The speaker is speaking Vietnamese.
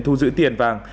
thu giữ tiền vàng